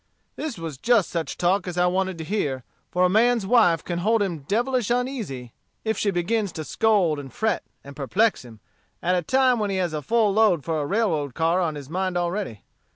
"This was just such talk as I wanted to hear, for a man's wife can hold him devilish uneasy if she begins to scold and fret, and perplex him, at a time when he has a full load for a railroad car on his mind already.